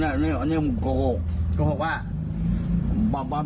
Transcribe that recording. บ้านอยู่ตรงไหน